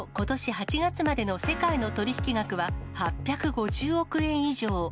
８月までの世界の取引額は８５０億円以上。